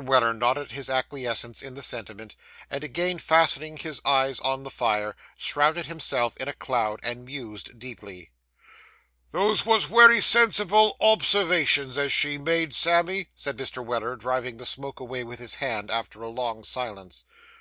Weller nodded his acquiescence in the sentiment, and again fastening his eyes on the fire, shrouded himself in a cloud, and mused deeply. 'Those wos wery sensible observations as she made, Sammy,' said Mr. Weller, driving the smoke away with his hand, after a long silence.